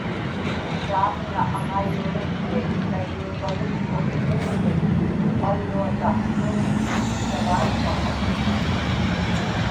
taamna aŋaayyuliqsi ikayuipaluktuq iñugnik uqalluataqłuni Savaiñmata